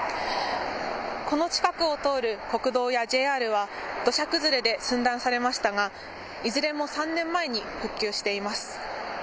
この近くを通る国道やＪＲは、土砂崩れで寸断されましたが、いずれも３年前に復旧しています。